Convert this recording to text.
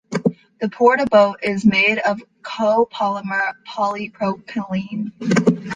The Porta-Bote is made of copolymer polypropylene.